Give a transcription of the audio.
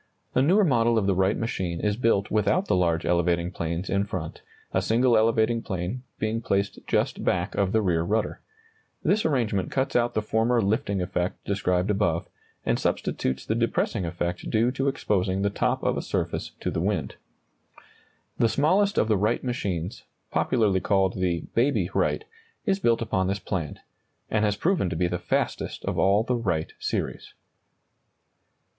A newer model of the Wright machine is built without the large elevating planes in front, a single elevating plane being placed just back of the rear rudder. This arrangement cuts out the former lifting effect described above, and substitutes the depressing effect due to exposing the top of a surface to the wind. [Illustration: Courtesy of N. Y. Times. The new model Wright biplane without forward elevator.] The smallest of the Wright machines, popularly called the "Baby Wright," is built upon this plan, and has proven to be the fastest of all the Wright series.